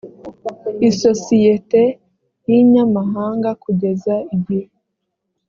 isosiyete y inyamahanga kugeza igihe